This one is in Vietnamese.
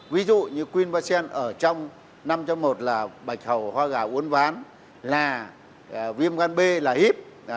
ví dụ như queen vaccine ở trong năm trong một là bạch hầu hoa gà uốn ván là viêm gan b là hiếp